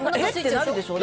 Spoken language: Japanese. ってなるでしょ。